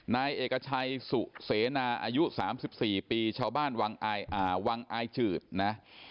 นายเอกชัยสุเสนาอายุ๓๔ปีชาวบ้านวังอายจืดนะ